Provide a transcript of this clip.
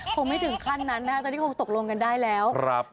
คงไม่ถึงขั้นนั้นนะคะตอนนี้คงตกลงกันได้แล้ว